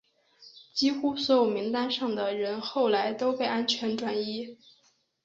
几乎所有名单上的人后来都被安全转移。